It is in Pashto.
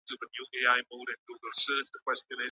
د پام اړول د ښوونکي مهارت غواړي.